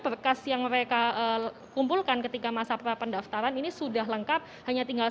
berkas yang mereka kumpulkan ketika masa prapendaftaran ini sudah lengkap hanya tinggal